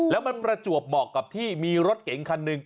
และผลจัดเจอมกับที่มีรถเก่งคันหนึ่ง